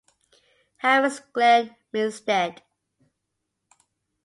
Harris Glenn Milstead.